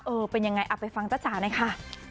เออเป็นยังไงเอาไปฟังจ๊ะจ๊ะนะค่ะ